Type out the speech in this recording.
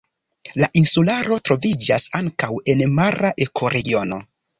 La insularo troviĝas ankaŭ en mara ekoregiono.